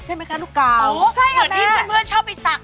ใช่ไหมคะลูกเก่าเหมือนที่เพื่อนชอบไปสัก